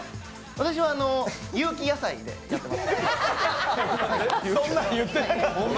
私は有機野菜でやってます。